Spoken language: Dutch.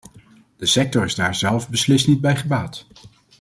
De sector is daar zelf beslist niet bij gebaat.